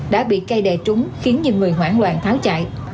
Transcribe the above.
đã bị cây đè trúng khiến nhiều người hoảng loạn tháo chạy